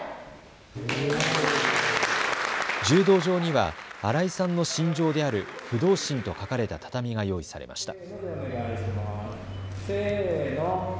柔道場には新井さんの信条である不動心と書かれた畳が用意されました。